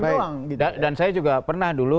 memang dan saya juga pernah dulu